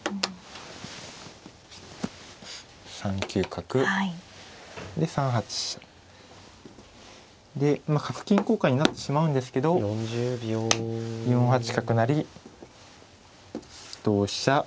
角金交換になってしまうんですけど４八角成同飛車